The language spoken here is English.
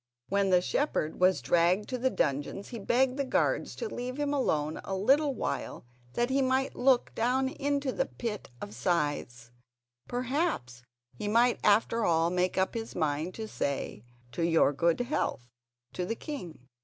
When the shepherd was dragged to the dungeons he begged the guards to leave him alone a little while that he might look down into the pit of scythes; perhaps he might after all make up his mind to say "To your good health" to the king.